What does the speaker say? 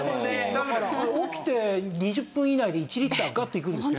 だから起きて２０分以内で１リッターガッといくんですよ。